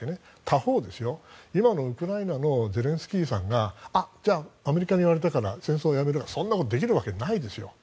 他方、今のウクライナのゼレンスキーさんがアメリカに言われたから戦争をやめるそんなことできないですよ。